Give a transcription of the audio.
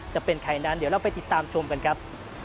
จะเป็นใครนั้นเดี๋ยวเราไปติดตามชมกันครับ